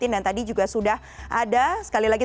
dan tadi juga sudah ada sekali lagi